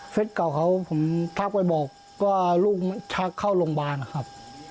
เก่าเขาผมทักไปบอกว่าลูกชักเข้าโรงพยาบาลครับ